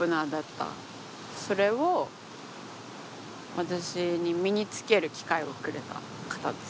それを私に身につける機会をくれた方です。